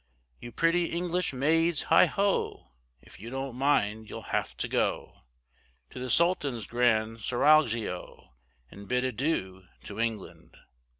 You pretty English maids, heigho, If you don't mind you'll have to go To the Sultan's grand Seraglio, And bid adieu to England.